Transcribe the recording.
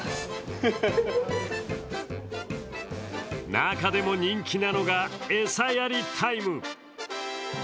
中でも人気なのが餌やりタイム。